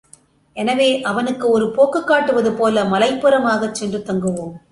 எனவே அவனுக்கு ஒரு போக்குக் காட்டுவதுபோல மலைப்புறமாகச் சென்று தங்குவோம்.